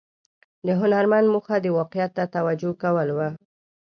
د هنرمند موخه د واقعیت ته متوجه کول و.